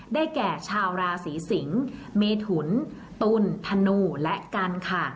แก่ชาวราศีสิงศ์เมถุนตุลธนูและกันค่ะ